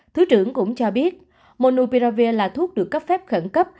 thứ trưởng cũng cho biết monupiravir là thuốc được cấp phép khẩn cấp